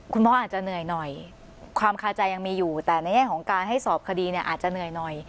พ่ออาจจะเหนื่อยหน่อยความคาใจยังมีอยู่แต่ในแง่ของการให้สอบคดีเนี่ยอาจจะเหนื่อยหน่อย